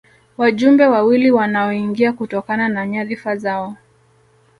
Wajumbe wawili wanaoingia kutokana na nyadhifa zao